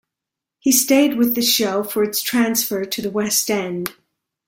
He stayed with the show for its transfer to the West End.